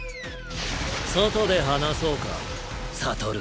外で話そうか悟。